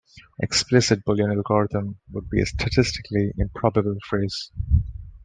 "Explicit Boolean algorithm" would be a statistically improbable phrase.